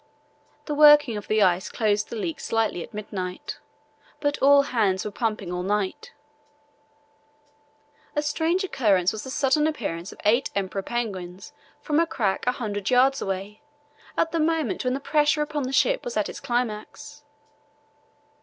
The working of the ice closed the leaks slightly at midnight, but all hands were pumping all night. A strange occurrence was the sudden appearance of eight emperor penguins from a crack 100 yds. away at the moment when the pressure upon the ship was at its climax.